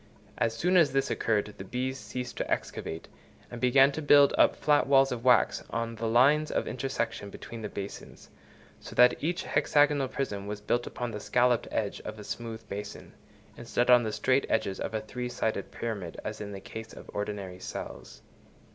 As soon as this occurred, the bees ceased to excavate, and began to build up flat walls of wax on the lines of intersection between the basins, so that each hexagonal prism was built upon the scalloped edge of a smooth basin, instead of on the straight edges of a three sided pyramid as in the case of ordinary cells.